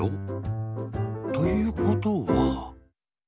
ということは。